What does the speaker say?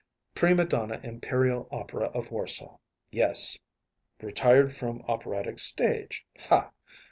Prima donna Imperial Opera of Warsaw‚ÄĒyes! Retired from operatic stage‚ÄĒha!